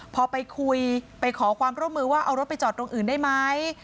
พอไปคุยไปขอความร่วมมือว่าเอารถไปจอดตรงอื่นได้ไหม